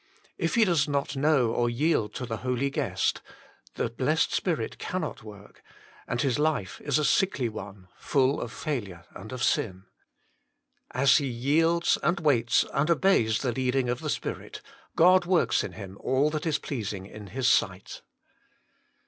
If he does not know or yield to the Holy Guest, the Blessed Spirit cannot work, and his life is a sickly one, full of failure and of sin. As he yields, and waits, and obeys the leading of the Spirit, God works in him all that is pleasing in His sight.